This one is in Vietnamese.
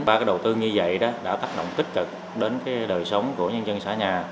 ba cái đầu tư như vậy đã tác động tích cực đến đời sống của nhân dân xã nhà